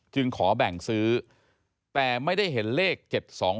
ขอแบ่งซื้อแต่ไม่ได้เห็นเลข๗๒๒